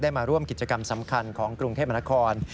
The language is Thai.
มาร่วมกิจกรรมสำคัญของกรุงเทพมนาคม